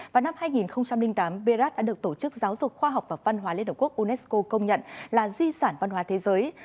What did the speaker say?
vào năm hai nghìn tám berat đã được tổ chức giáo dục khoa học và văn hóa liên hợp quốc unesco công nhận là di sản văn hóa thế giới